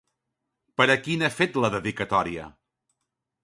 Per a qui n'ha fet la dedicatòria?